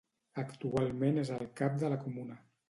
Actualment és el cap de la comuna.